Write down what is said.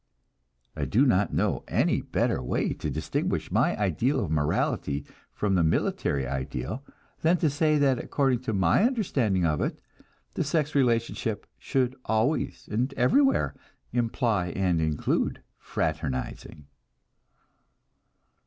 I do not know any better way to distinguish my ideal of morality from the military ideal, than to say that according to my understanding of it, the sex relationship should always and everywhere imply and include "fraternizing."